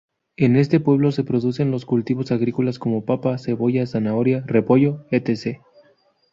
En este pueblo se produce los cultivos agrícolas como papa, cebolla, zanahoria, repollo, ect.